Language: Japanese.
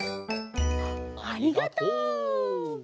ありがとう。